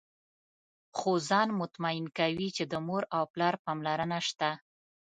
خو ځان مطمئن کوي چې د مور او پلار پاملرنه شته.